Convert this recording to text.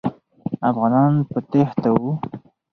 افغانان په تېښته وو.